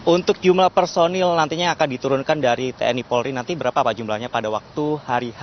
untuk jumlah personil nantinya akan diturunkan dari tni polri nanti berapa pak jumlahnya pada waktu hari h